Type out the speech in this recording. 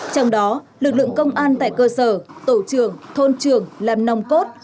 trong đó lực lượng công an tại cơ sở tổ trường thôn trường làm nông cốt